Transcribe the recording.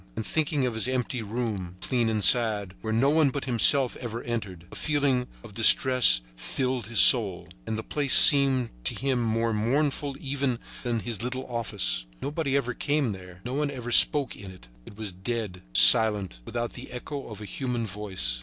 And, thinking of his empty room, clean and sad, where no one but himself ever entered, a feeling of distress filled his soul; and the place seemed to him more mournful even than his little office. Nobody ever came there; no one ever spoke in it. It was dead, silent, without the echo of a human voice.